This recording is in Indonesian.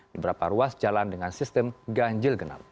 di beberapa ruas jalan dengan sistem ganjil genap